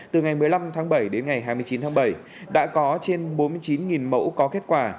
từ ngày một mươi năm tháng bảy đến ngày hai mươi chín tháng bảy đã có trên bốn mươi chín mẫu có kết quả